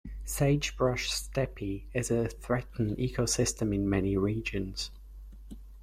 Sagebrush steppe is a threatened ecosystem in many regions.